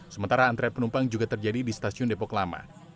sementara antrean penumpang juga terjadi di stasiun depok lama